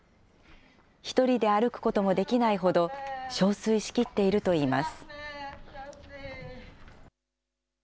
１人で歩くこともできないほどしょうすいしきっているといいます。